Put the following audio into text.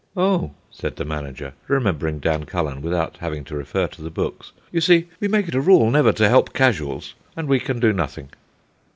"Oh," said the manager, remembering Dan Cullen without having to refer to the books, "you see, we make it a rule never to help casuals, and we can do nothing."